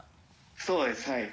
そうですはい。